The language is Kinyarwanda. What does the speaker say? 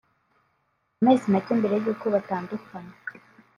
amezi make mbere y’uko batandukana